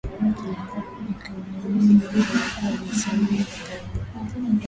Nikamwamini yeye anisamehe dhambi